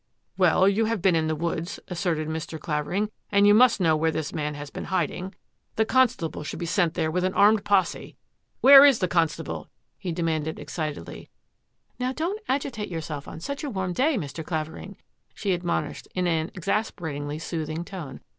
" Well, you have been in the woods," asserted Mr. Clavering, " and you must know where this man has been hiding. The constable should be 810 THAT AFFAIR AT THE MANOR sent there with an armed posse. Where is the constable?" he demanded excitedly. " Now don't agitate yourself on such a warm day, Mr. Clavering," she admonished in an exas peratingly soothing tone.